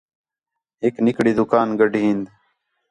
ہِک نِکڑی دُکان گڈھین